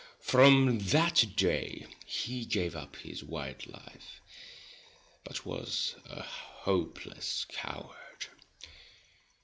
From that day he gave up his wild life, but was a hopeless coward.